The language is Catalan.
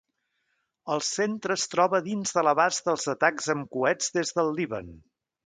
El centre es troba dins de l'abast dels atacs amb coets des del Líban.